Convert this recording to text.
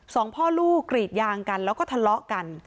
สองพ่อลูกกรีดยางกันแล้วก็ทะเลาะกัน